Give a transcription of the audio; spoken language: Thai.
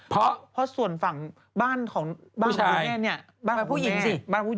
เพราะส่วนฝั่งบ้านของคุณแม่